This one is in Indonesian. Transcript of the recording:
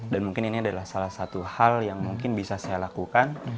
dan mungkin ini adalah salah satu hal yang mungkin bisa saya lakukan